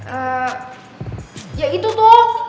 eh ya itu tuh